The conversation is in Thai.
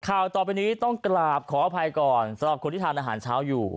ข่าวต่อไปนี้ต้องกราบขออภัยก่อนสำหรับคนที่ทานอาหารเช้าอยู่